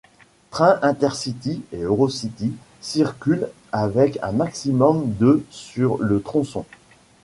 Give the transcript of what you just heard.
Trains InterCity et EuroCity circulent avec un maximum de sur le tronçon.